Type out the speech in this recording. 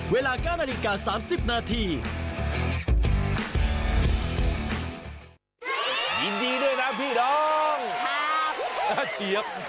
เวลา๙นาฬิกา๓๐นาที